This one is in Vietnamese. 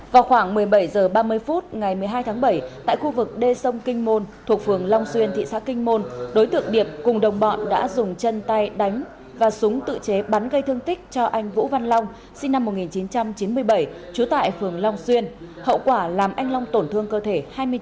vào khoảng một mươi bảy h ba mươi phút ngày một mươi hai tháng bảy tại khu vực đê sông kinh môn thuộc phường long xuyên thị xã kinh môn đối tượng điệp cùng đồng bọn đã dùng chân tay đánh và súng tự chế bắn gây thương tích cho anh vũ văn long sinh năm một nghìn chín trăm chín mươi bảy trú tại phường long xuyên hậu quả làm anh long tổn thương cơ thể hai mươi chín